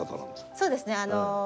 そうですね。